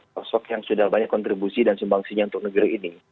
sosok yang sudah banyak kontribusi dan sumbangsinya untuk negeri ini